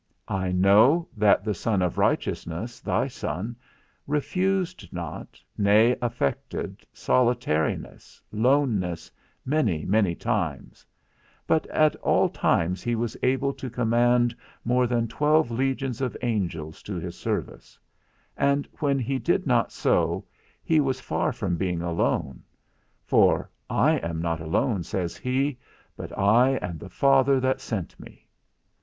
I know that the Son of Righteousness, thy Son, refused not, nay affected, solitariness, loneness, many, many times; but at all times he was able to command more than twelve legions of angels to his service; and when he did not so, he was far from being alone: for, I am not alone, says he, but I, and the Father that sent me.